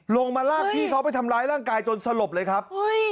มาลากพี่เขาไปทำร้ายร่างกายจนสลบเลยครับ